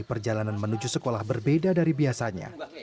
perjalanan menuju sekolah berbeda dari biasanya